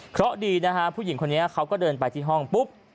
เพราะดีนะฮะผู้หญิงคนนี้เขาก็เดินไปที่ห้องปุ๊บ